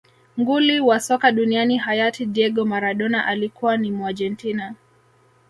nguli wa soka duniani hayati diego maradona alikuwa ni muargentina